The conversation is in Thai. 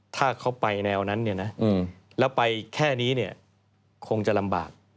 ถ้าเขาไปแนวนั้นเนี่ยนะแล้วไปแค่นี้เนี่ยคงจะลำบาก